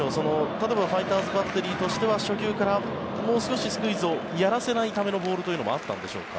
例えばファイターズバッテリーとしては初球からもう少しスクイズをやらせないためのボールというのもあったんでしょうか？